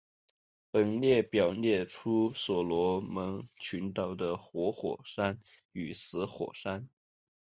本列表列出所罗门群岛的活火山与死火山。